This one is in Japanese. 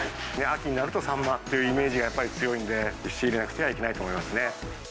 秋になるとサンマっていうイメージがやっぱり強いんで、仕入れなくてはいけないと思いますね。